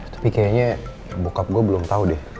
tapi kayaknya bokap gue belum tau deh